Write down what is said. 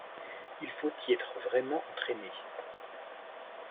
il faut y être vraiment entraîné.